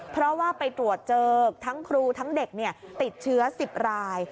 เพราะว่าไปตรวจเจอทั้งครูทั้งเด็กติดเชื้อ๑๐ราย